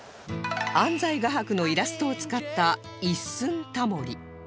安斎画伯のイラストを使った一寸タモリ